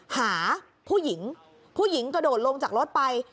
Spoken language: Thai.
หาผู้หญิงกดดลงจากรถไป